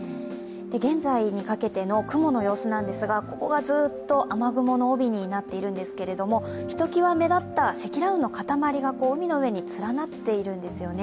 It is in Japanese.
現在にかけての雲の様子なんですが、ここがずっと雨雲の帯になっているんですけれどもひときわ目立った積乱雲のかたまりが海の上に連なっているんですよね。